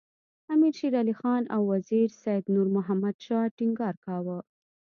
امیر شېر علي خان او وزیر سید نور محمد شاه ټینګار کاوه.